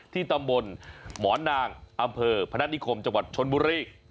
ที่ตำบลมรนอพพฤธนิคมจชนบุรี